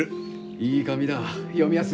いい紙だ読みやすい。